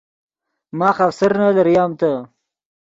ماخ آفسرنے لریم تے